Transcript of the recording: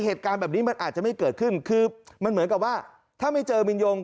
เหตุการณ์แบบนี้มันอาจจะไม่เกิดขึ้นคือมันเหมือนกับว่าถ้าไม่เจอมินยง